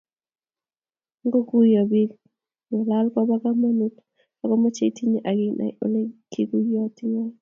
Ngoguiguiyo biik ngaal koba kamanuut agomeche itinyei akinai oleguiguiyoti ngal